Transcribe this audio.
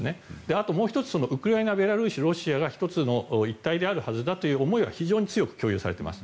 あともう１つ、ウクライナベラルーシ、ロシアが１つの、一体であるはずだという思いは非常に強く共通しています。